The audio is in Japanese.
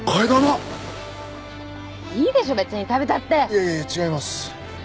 いやいや違います。